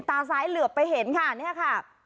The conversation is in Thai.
ตาซ้ายเหลือไปเห็นค่ะเนี่ยค่ะ